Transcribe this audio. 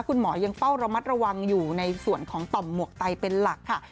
คุณหมอยังเฝ้าระมัดระวังอยู่ในส่วนของต่อมหมวกไตเป็นหลักค่ะ